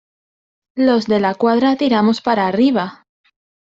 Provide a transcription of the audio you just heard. ¡ los De la Cuadra tiramos para arriba!